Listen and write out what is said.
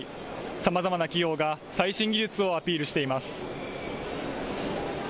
さまざまな企業が最新技術をアピールしています。